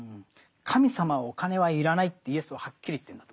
神様はお金は要らないってイエスははっきり言ってるんだと思うんですね。